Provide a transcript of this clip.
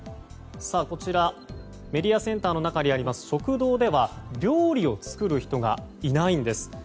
メディアセンターの中にある食堂では料理を作る人がいないんです。